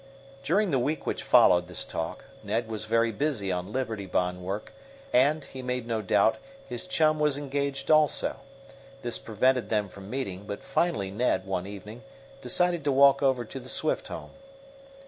During the week which followed this talk Ned was very busy on Liberty Bond work, and, he made no doubt, his chum was engaged also. This prevented them from meeting, but finally Ned, one evening, decided to walk over to the Swift home.